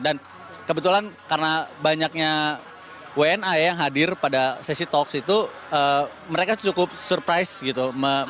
dan kebetulan karena banyaknya wni yang hadir pada sesi talks itu mereka cukup surprise gitu